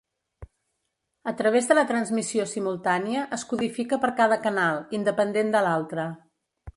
A través de la transmissió simultània, es codifica per cada canal, independent de l'altre.